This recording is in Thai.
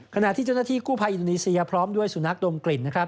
ขณะที่เจ้าหน้าที่กู้ภัยอินโดนีเซียพร้อมด้วยสุนัขดมกลิ่นนะครับ